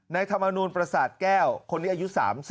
ธรรมนูลประสาทแก้วคนนี้อายุ๓๐